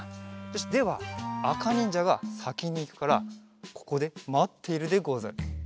ではあかにんじゃがさきにいくからここでまっているでござる。